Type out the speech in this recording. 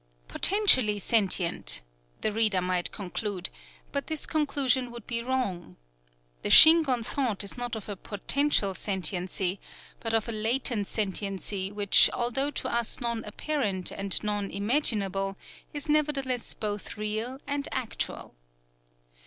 "Potentially sentient," the reader might conclude; but this conclusion would be wrong. The Shingon thought is not of a potential sentiency, but of a latent sentiency which although to us non apparent and non imaginable, is nevertheless both real and actual.